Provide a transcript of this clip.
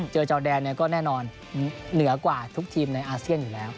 จอแดนก็แน่นอนเหนือกว่าทุกทีมในอาเซียนอยู่แล้ว